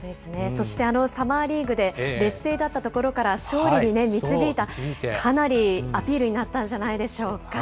そしてあのサマーリーグで、劣勢だったところから勝利に導いた、かなりアピールになったんじゃないでしょうか。